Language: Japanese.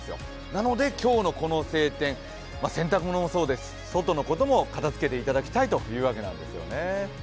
なので今日のこの晴天、洗濯物もそうです、外のことも片づけていただきたいというわけなんですよね。